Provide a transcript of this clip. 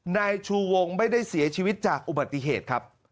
นายชูวงไม่ได้เสียชีวิตจากอุบัติเหตุครับ